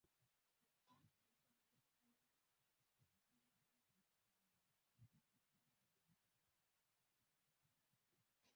Ukambani na Sagana, hata mbwa wararua,